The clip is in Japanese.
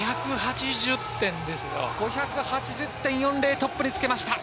５８０．４０でトップにつけました。